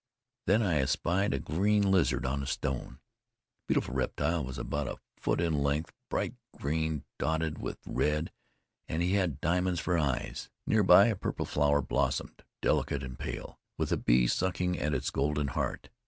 Then I espied a green lizard on a stone. The beautiful reptile was about a foot in length, bright green, dotted with red, and he had diamonds for eyes. Nearby a purple flower blossomed, delicate and pale, with a bee sucking at its golden heart.